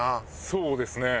そうですね。